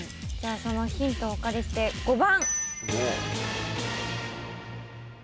そのヒントをお借りして５番。